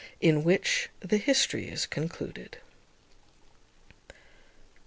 In which the history is concluded.